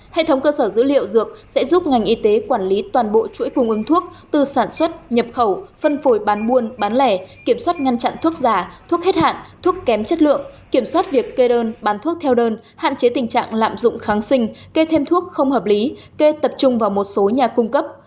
hệ thống cơ sở dữ liệu dược sẽ giúp ngành y tế quản lý toàn bộ chuỗi cung ứng thuốc từ sản xuất nhập khẩu phân phổi bán buôn bán lẻ kiểm soát ngăn chặn thuốc giả thuốc hết hạn thuốc kém chất lượng kiểm soát việc kê đơn bán thuốc theo đơn hạn chế tình trạng lạm dụng kháng sinh kê thêm thuốc không hợp lý kê tập trung vào một số nhà cung cấp